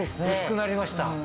薄くなりました。